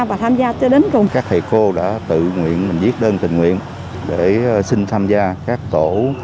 và tham gia cho đến các thầy cô đã tự nguyện mình viết đơn tình nguyện để xin tham gia các tổ